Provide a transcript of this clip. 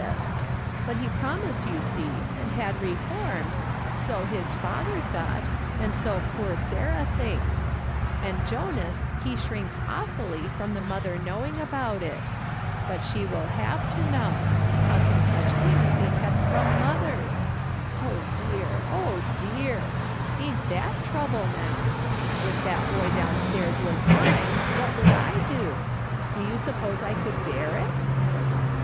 ] "YOO'VE HELPED ALONG IN THIS IVORK." 233 But he promised, you see, and liad reformed, so his father thought, and so poor Sarah thinks ; and Jonas, he shrinks awfully from the mother knowing about it. But she will have to know ; how can such things be kept from mothers ? Oh dear, oh dear ! Ain't that trouble, now ? If that boy downstairs was mine, what could I do ? Do you suppose I could bear it